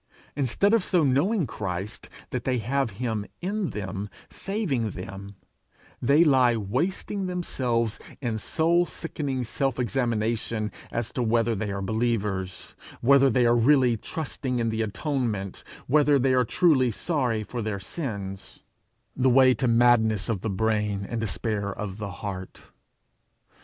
Instead of so knowing Christ that they have him in them saving them, they lie wasting themselves in soul sickening self examination as to whether they are believers, whether they are really trusting in the atonement, whether they are truly sorry for their sins the way to madness of the brain, and despair of the heart.